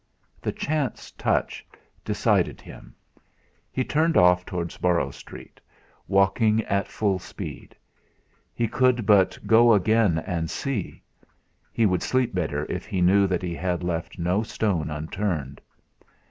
The chance touch decided him. He turned off towards Borrow Street, walking at full speed. He could but go again and see. He would sleep better if he knew that he had left no stone unturned.